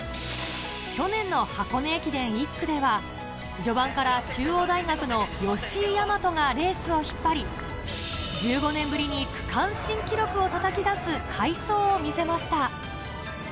去年の箱根駅伝１区では、序盤から中央大学の吉居大和がレースを引っ張り、１５年ぶりに区間新記録をたたき出す快走を見せました。